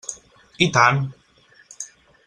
I tant!